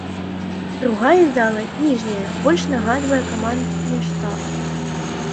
Другая зала, ніжняя, больш нагадвае камандны штаб.